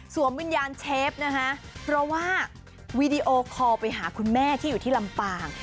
วิญญาณเชฟนะคะเพราะว่าวีดีโอคอลไปหาคุณแม่ที่อยู่ที่ลำปาง